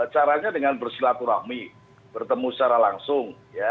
caranya dengan bersilaturahmi bertemu secara langsung